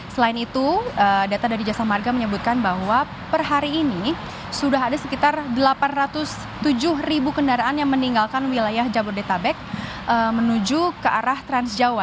selain itu data dari jasa marga menyebutkan bahwa per hari ini sudah ada sekitar delapan ratus tujuh ribu kendaraan yang meninggalkan wilayah jabodetabek menuju ke arah transjawa